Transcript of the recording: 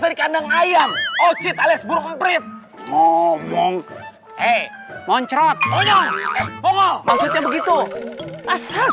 dari kandang ayam ocit alias burung mprit ngomong eh loncrot maksudnya begitu asal